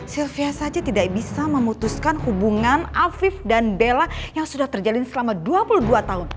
sylvia saja tidak bisa memutuskan hubungan afif dan bella yang sudah terjalin selama dua puluh dua tahun